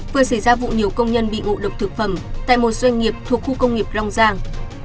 vừa xảy ra vụ nhiều công nhân bị ngộ độc thực phẩm tại một doanh nghiệp thuộc khu công nghiệp long giang